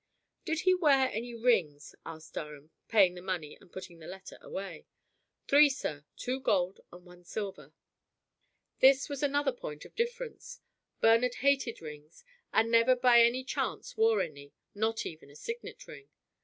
"Did he wear any rings?" asked Durham, paying the money and putting the letter away. "Three, sir. Two gold and one silver." This was another point of difference. Bernard hated rings and never by any chance wore any, not even a signet ring.